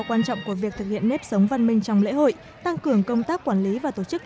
quan trọng của việc thực hiện nếp sống văn minh trong lễ hội tăng cường công tác quản lý và tổ chức